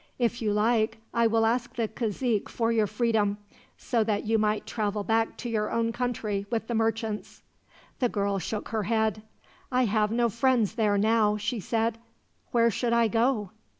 If you like, I will ask the cazique for your freedom, so that you might travel back to your own country with the merchants." The girl shook her head. "I have no friends there, now," she said. "Where should I go?"